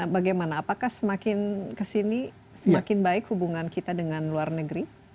bagaimana apakah semakin kesini semakin baik hubungan kita dengan luar negeri